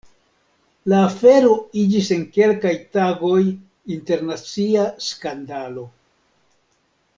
La afero iĝis en kelkaj tagoj internacia skandalo.